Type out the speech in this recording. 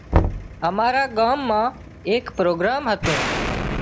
امارا ڳام مان ايڪ پروگرام هتو